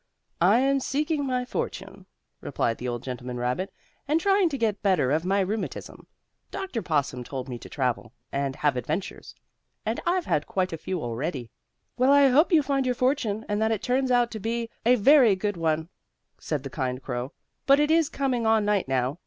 "I am seeking my fortune," replied the old gentleman rabbit, "and trying to get better of my rheumatism. Dr. Possum told me to travel, and have adventures, and I've had quite a few already." "Well, I hope you find your fortune and that it turns out to be a very good one," said the kind crow. "But it is coming on night now.